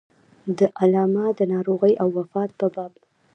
د علامه د ناروغۍ او وفات په باب.